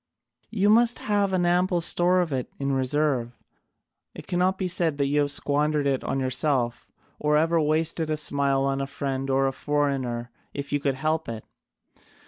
You must have an ample store of it in reserve: it cannot be said you have squandered it on yourself, or ever wasted a smile on friend or foreigner if you could help it.